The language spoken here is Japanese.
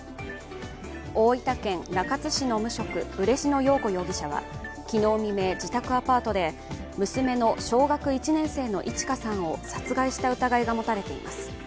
大分県中津市の無職嬉野陽子容疑者は昨日未明自宅アパートで娘の小学１年生のいち花さんを殺害した疑いが持たれています。